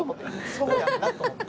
そうやんなと思って。